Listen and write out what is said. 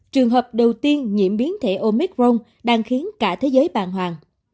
trường hợp đầu tiên nhiễm biến thể omicron đang khiến cả thế giới bàng hoàng